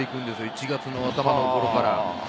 １月の頭の頃から。